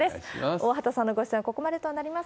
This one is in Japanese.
大畑さんの出演はここまでとなります。